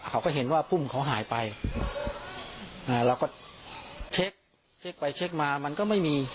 เขาก็เห็นว่าพุ่มเขาหายไปเราก็เช็คเช็คไปเช็คมามันก็ไม่มี